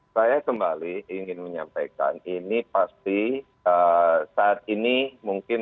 saya kembali ingin menyampaikan ini pasti saat ini mungkin